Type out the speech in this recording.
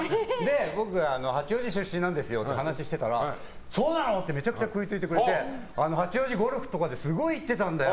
僕が八王子出身なんですよって話をしてたら、そうなの？ってめちゃくちゃ食いついてくれて八王子、ゴルフとかですごい行ってたんだよ。